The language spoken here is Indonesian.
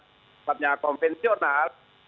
bukan lagi sebabnya konvensional